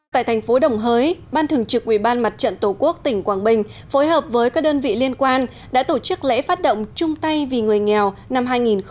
tại thành phố đồng hới ban thường trực ủy ban mặt trận tổ quốc tỉnh quảng bình phối hợp với các đơn vị liên quan đã tổ chức lễ phát động trung tây vì người nghèo năm hai nghìn một mươi chín